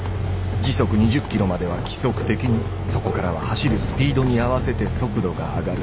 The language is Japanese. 時速２０ｋｍまでは規則的にそこからは走るスピードに合わせて速度が上がる。